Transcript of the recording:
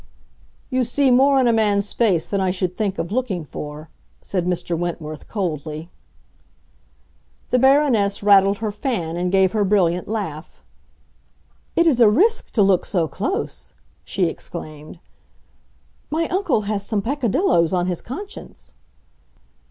"You see more in a man's face than I should think of looking for," said Mr. Wentworth coldly. The Baroness rattled her fan, and gave her brilliant laugh. "It is a risk to look so close!" she exclaimed. "My uncle has some peccadilloes on his conscience."